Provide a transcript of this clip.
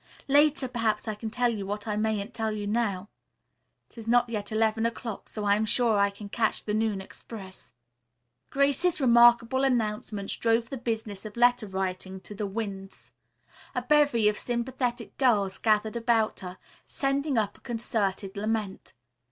Later, perhaps I can tell you what I mayn't tell you now. It is not yet eleven o'clock, so I am sure I can catch the noon express." Grace's remarkable announcement drove the business of letter writing to the winds. A bevy of sympathetic girls gathered about her, sending up a concerted lament.